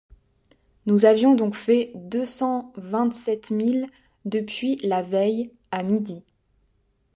Nous avions donc fait deux cent vingt-sept milles depuis la veille, à midi.